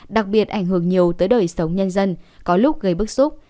đặc biệt ảnh hưởng nhiều tới đời sống nhân dân có lúc gây bức xúc